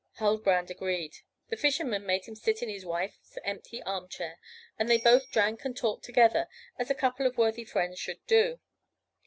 Huldbrand agreed; the Fisherman made him sit in his wife's empty arm chair, and they both drank and talked together, as a couple of worthy friends should do.